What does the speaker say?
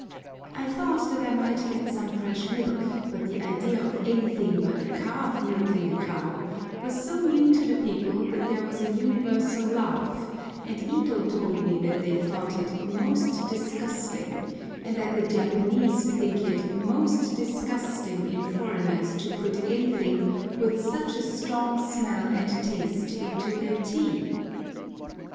I thought that I might get some fresh milk, but the idea of anything but a calf milking a cow was so new to the people that there was a universal laugh, and Ito told me that they thought it "most disgusting," and that the Japanese think it "most disgusting" in foreigners to put anything "with such a strong smell and taste" into their tea!